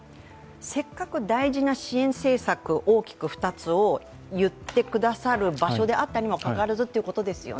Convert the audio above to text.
せっかく大事な支援政策、大きく２つを言ってくださる場所であったにもかかわらずということですよね。